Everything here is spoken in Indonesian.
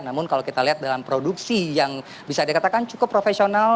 namun kalau kita lihat dalam produksi yang bisa dikatakan cukup profesional